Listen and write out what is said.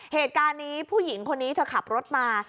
เหตุการณ์นี้ผู้หญิงคนนี้เธอขับรถมา